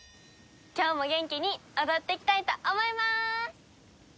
今日も元気に踊っていきたいと思います！